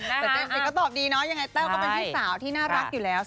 แต่เจก็ตอบดีเนาะยังไงแต้วก็เป็นพี่สาวที่น่ารักอยู่แล้ว